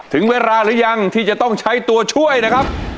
ถึงเวลาหรือยังที่จะต้องใช้ตัวช่วยนะครับ